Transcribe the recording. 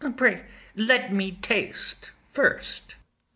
Pray, let me taste first.